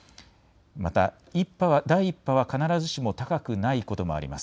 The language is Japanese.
また第１波は必ずしも高くないこともあります。